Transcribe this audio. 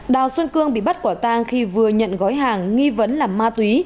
đào xuân cương bị bắt quả tang khi vừa nhận gói hàng nghi vấn là ma túy